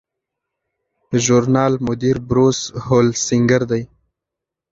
د ژورنال مدیر بروس هولسینګر دی.